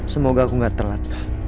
semoga aku gak terlata